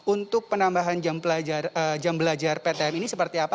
untuk penambahan jam belajar pt mt ini seperti apa